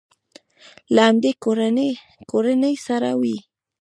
له همدې کورنۍ سره وي.